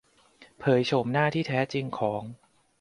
เผยโฉมหน้าที่แท้จริงของ